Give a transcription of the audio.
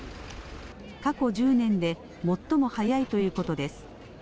過去１０年で最も早いということです。